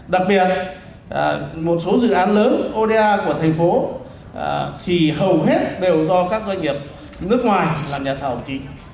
đặc biệt một số dự án lớn oda của thành phố thì hầu hết đều do các doanh nghiệp nước ngoài làm nhà thầu trí